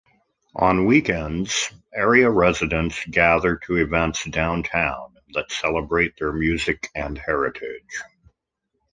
On weekends, area residents gather to events downtown that celebrate their music and heritage.